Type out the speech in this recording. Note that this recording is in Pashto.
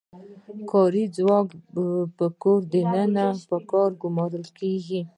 کاري ځواک په کور دننه په کار ګومارل کیږي.